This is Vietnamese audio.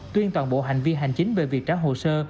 tuyên toàn bộ hành vi hành chính về việc trả hồ sơ